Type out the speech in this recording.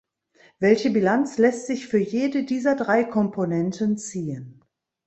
Welche Bilanz lässt sich für jede dieser drei Komponenten ziehen?